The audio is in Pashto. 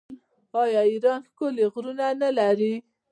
آیا ایران ښکلي غرونه نلري؟